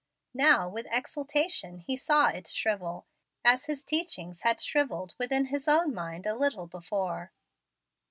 Now with exultation he saw it shrivel, as its teachings had shrivelled within his own mind a little before.